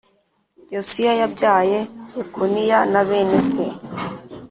Yosiya yabyaye Yekoniya na bene se,